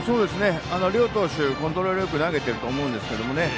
両投手、コントロールよく投げてると思うんですけどね。